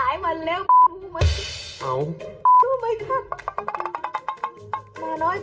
หน้าน้อยมันขาดน้ำหล่อนี้ก็จะเป็นยังไง